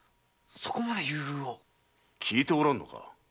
聞いておらぬのか？